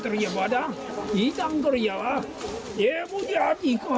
กรรมของข้าพี่สุธิวายอมบรรทางสักกาทีมาลัย